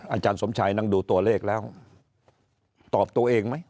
อาจารย์สมชัยนั่งดูตัวเลขแล้วตอบตัวเองไหม